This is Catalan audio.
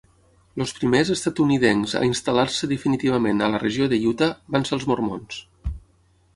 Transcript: Els primers estatunidencs a instal·lar-se definitivament a la regió de Utah van ser els mormons.